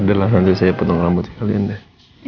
udah lah nanti saya potong rambut kalian deh